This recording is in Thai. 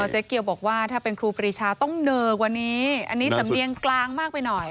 เจ๊เกียวบอกว่าถ้าเป็นครูปรีชาต้องเหนอกว่านี้อันนี้สำเนียงกลางมากไปหน่อย